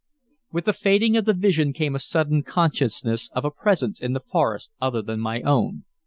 With the fading of the vision came a sudden consciousness of a presence in the forest other than my own.